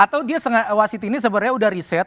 atau dia wasit ini sebenarnya udah riset